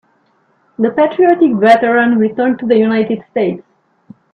The patriotic veteran returned to the United States.